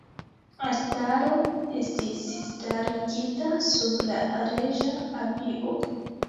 Altaro estis starigita sub la reĝa abio.